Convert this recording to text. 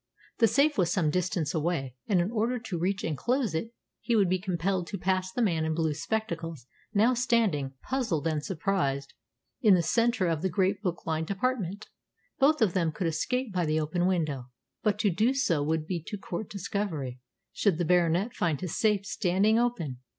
The safe was some distance away, and in order to reach and close it he would be compelled to pass the man in blue spectacles now standing, puzzled and surprised, in the centre of the great book lined apartment. Both of them could escape by the open window, but to do so would be to court discovery should the Baronet find his safe standing open.